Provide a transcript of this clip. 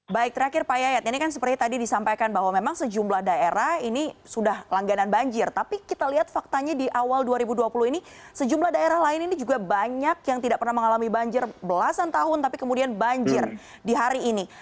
baik terakhir pak yayat ini kan seperti tadi disampaikan bahwa memang sejumlah daerah ini sudah langganan banjir tapi kita lihat faktanya di awal dua ribu dua puluh ini sejumlah daerah lain ini juga banyak yang tidak pernah mengalami banjir belasan tahun tapi kemudian banjir di hari ini